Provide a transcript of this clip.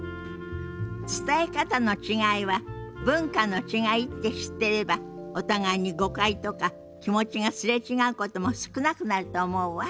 伝え方の違いは文化の違いって知ってればお互いに誤解とか気持ちが擦れ違うことも少なくなると思うわ。